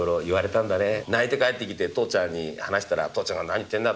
泣いて帰ってきて父ちゃんに話したら父ちゃんが何言ってるんだと。